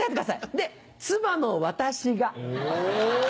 で妻の私が。